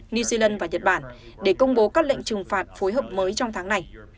new zealand và nhật bản để công bố các lệnh trừng phạt phối hợp mới trong tháng này